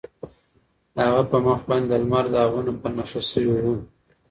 د هغه په مخ باندې د لمر داغونه په نښه شوي وو.